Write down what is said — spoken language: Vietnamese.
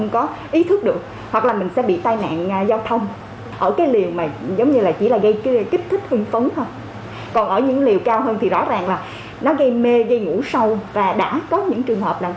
còn ở những liều cao hơn thì rõ ràng là nó gây mê gây ngủ sâu và đã có những trường hợp nào